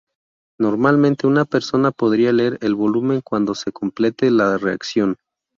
Normalmente, una persona podría leer el volumen cuando se complete la reacción.